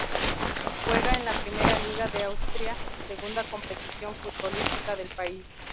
Juega en la Primera Liga de Austria, segunda competición futbolística del país.